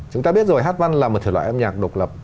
chúng ta biết rồi hát văn là một thể loại âm nhạc độc lập